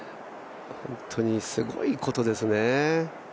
本当にすごいことですね。